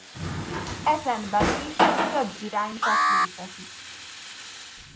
Ezen belül is több irányzat létezik.